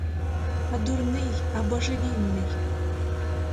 А дурний, а божевільний!